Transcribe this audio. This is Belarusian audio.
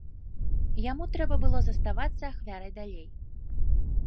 Яму трэба было заставацца ахвярай далей.